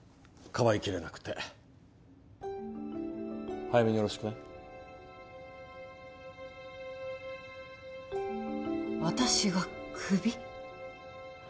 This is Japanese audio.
かばいきれなくて早めによろしくね私がクビ？